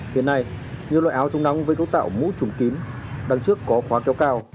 hiện nay nhiều loại áo chống nắng với cấu tạo mũ trùng kím đằng trước có khóa kéo cao